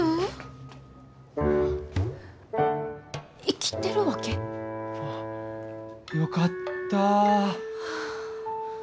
生きてるわけ？あっよかった。